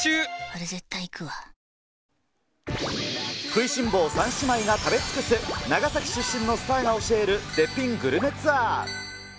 食いしん坊三姉妹が食べ尽くす、長崎出身のスターが教える絶品グルメツアー。